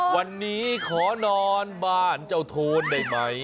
วันนี้ขอนอนบ้านเจ้าโทนได้ไหม